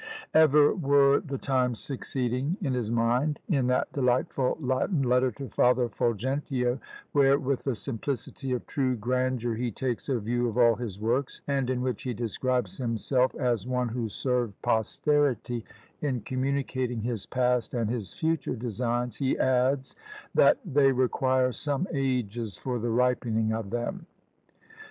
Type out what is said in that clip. Ever were THE TIMES SUCCEEDING in his mind. In that delightful Latin letter to Father Fulgentio, where, with the simplicity of true grandeur, he takes a view of all his works, and in which he describes himself as "one who served posterity," in communicating his past and his future designs, he adds that "they require some ages for the ripening of them."